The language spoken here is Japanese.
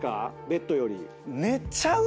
ベッドより。